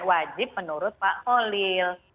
wajib menurut pak holid